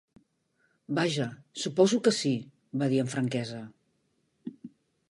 "Vaja, suposo que sí", va dir amb franquesa.